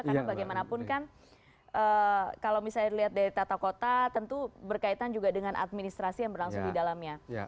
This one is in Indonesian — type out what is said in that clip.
karena bagaimanapun kan kalau misalnya dilihat dari tata kota tentu berkaitan juga dengan administrasi yang berlangsung di dalamnya